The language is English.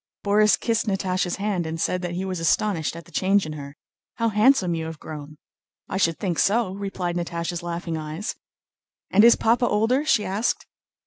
Borís kissed Natásha's hand and said that he was astonished at the change in her. "How handsome you have grown!" "I should think so!" replied Natásha's laughing eyes. "And is Papa older?" she asked.